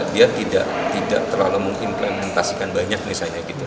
dia tidak terlalu mengimplementasikan banyak misalnya gitu